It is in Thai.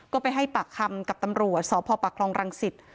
ก็ไปให้ปากคำกับตำรวจสพรังศิษฐ์